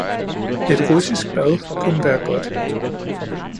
Et russisk bad kunne være godt.